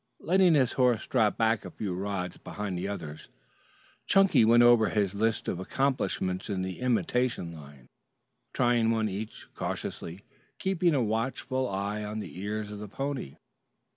Letting his horse drop back a few rods behind the others, Chunky went over his list of accomplishments in the imitation line, trying each one cautiously, keeping a watchful eye on the ears of the pony.